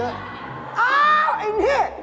เฮ่ยไอ้พี่